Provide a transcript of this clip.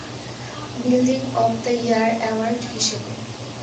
Building of the year award হিসেবে.